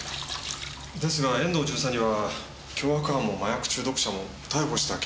ですが遠藤巡査には凶悪犯も麻薬中毒者も逮捕した経歴はないんですよ。